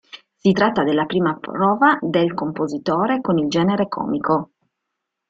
Si tratta della prima prova del compositore con il genere comico.